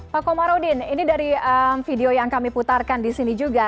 pak komarudin ini dari video yang kami putarkan di sini juga